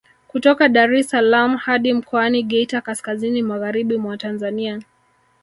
Kutoka Daressalaam hadi mkoani Geita kaskazini magharibi mwa Tanzania